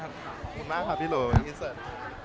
ขอบคุณมากครับขอบคุณมากครับพี่โหล